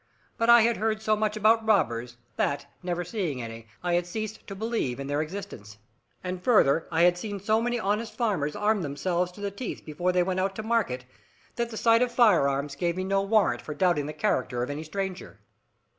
But I had heard so much about robbers, that, never seeing any, I had ceased to believe in their existence. And further, I had seen so many honest farmers arm themselves to the teeth before they went out to market, that the sight of firearms gave me no warrant for doubting the character of any stranger.